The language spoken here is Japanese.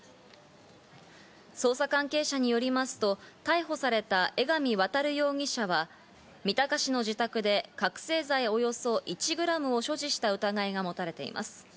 捜査関係者によりますと、逮捕された、江上渉容疑者は三鷹市の自宅で覚醒剤およそ１ｇを所持した疑いが持たれています。